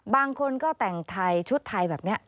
บางคนก็แต่งไทยชุดไทยแบบนี้